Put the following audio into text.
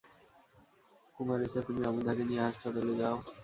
কুমারেসা, তুমি আমুধাকে নিয়ে হাসপাতালে যাও।